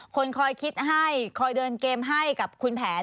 คนคอยคิดให้คอยเดินเกมให้กับคุณแผน